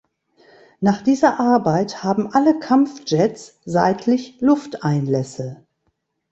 Nach dieser Arbeit haben alle Kampfjets seitlich Lufteinlässe.